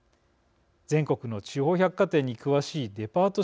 全国の地方百貨店に詳しいデパート